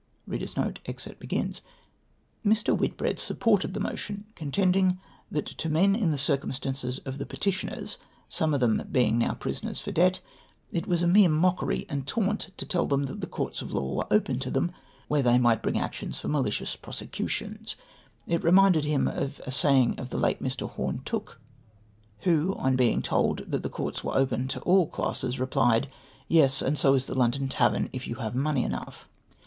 " Mr. WiriTBr.EAD supported the motion, contending that to men in the circumstances of the petitioners i^some of them being now prisoners for debt), it was a mere mockery and taunt to tell them that the courts of law were open to them, where they might bring actions for malicious prosecutions It reminded him of a saying of the late Mr. Home Tooke, who, on being told that the courts were open to all classes, replied, " Yes, and so is the London Tavern, if you have money enough."